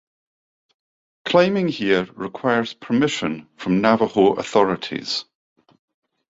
Climbing here requires permission from Navajo authorities.